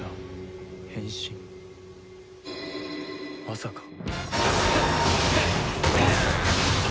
まさか！